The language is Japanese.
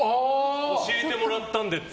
教えてもらったんでって。